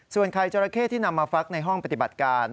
ส่วนไข่จราเข้ที่นำมาฟักในห้องปฏิบัติการ